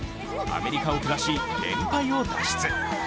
アメリカを下し、連敗を脱出。